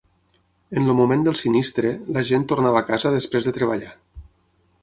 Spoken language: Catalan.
En el moment del sinistre, l’agent tornava a casa després de treballar.